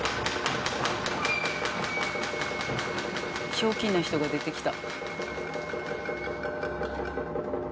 ひょうきんな人が出てきた。